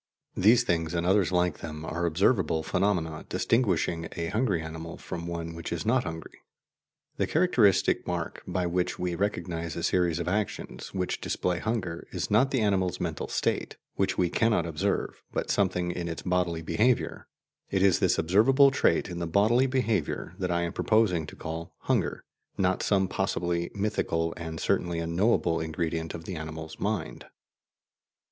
These things and others like them are observable phenomena distinguishing a hungry animal from one which is not hungry. The characteristic mark by which we recognize a series of actions which display hunger is not the animal's mental state, which we cannot observe, but something in its bodily behaviour; it is this observable trait in the bodily behaviour that I am proposing to call "hunger," not some possibly mythical and certainly unknowable ingredient of the animal's mind.